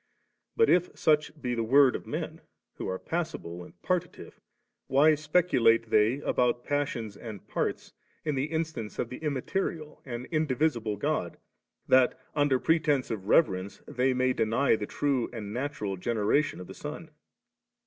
But if such be the word of men, who are passible and partitive, why speculate they about passions and parts in the instance of the immaterial and indivisible God, that under pretence of reverence' they may deny the true and natural generation of the Son